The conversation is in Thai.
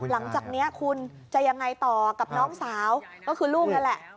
หลังจากนี้คุณจะยังไงต่อกับน้องสาวก็คือลูกนั่นแหละ